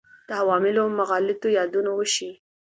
د عواملو او مغالطو یادونه وشي.